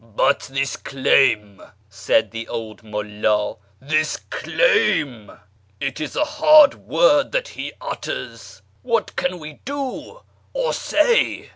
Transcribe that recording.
" But this claim," said the old mulld, " this claim ! It is a hard word that He utters. What can we do or say